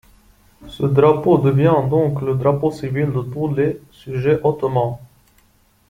Ce drapeau devient donc le drapeau civil de tous les sujets ottomans.